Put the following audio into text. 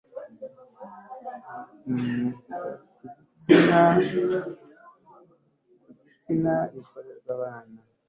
ku gitsina rikorerwa abana